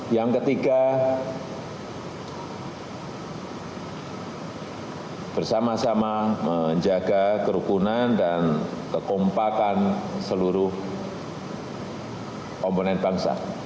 yang ketiga bersama sama menjaga kerukunan dan kekompakan seluruh komponen bangsa